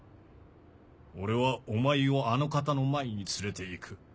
俺はお前をあの方の前に連れて行く。